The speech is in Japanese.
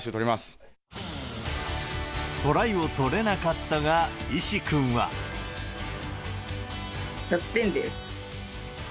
トライを取れなかったが、１００点です。